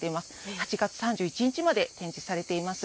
８月３１日まで展示されています。